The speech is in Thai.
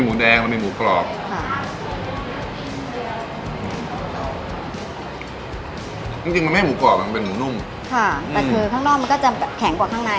จริงจริงมันไม่ให้หมูกรอบมันเป็นหมูนุ่มค่ะแต่คือข้างนอกมันก็จะแข็งกว่าข้างใน